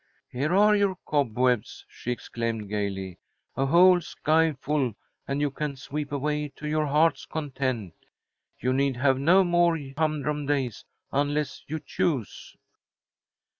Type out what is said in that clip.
"Here are your cobwebs!" she exclaimed, gaily. "A whole skyful, and you can sweep away to your heart's content. You need have no more humdrum days unless you choose."